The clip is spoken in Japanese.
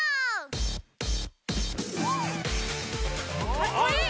かっこいい。